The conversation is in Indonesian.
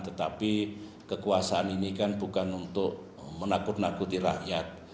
tetapi kekuasaan ini kan bukan untuk menakut nakuti rakyat